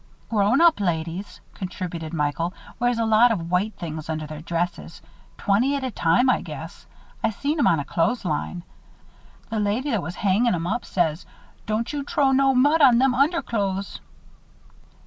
"Grown up ladies," contributed Michael, "wears a lot of white things under their dresses twenty at a time I guess. I seen 'em on a clothesline. The lady what was hangin' 'em up says, 'Don't you trow no mud on them _under_clothes.'"